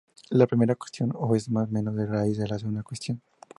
La primera cuestión es más o menos la raíz de la segunda cuestión.